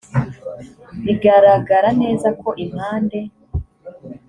bigaragara neza ko impande